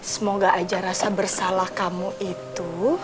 semoga aja rasa bersalah kamu itu